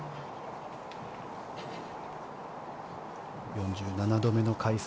４７度目の開催。